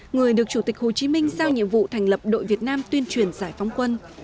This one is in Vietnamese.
người được chủ tịch hồ chí minh giao nhiệm vụ thành lập đội việt nam tuyên truyền giải phóng quân